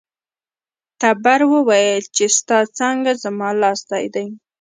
تبر وویل چې ستا څانګه زما لاستی دی.